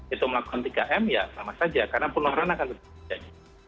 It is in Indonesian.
itu melakukan tiga m ya sama saja karena penularan akan lebih jadi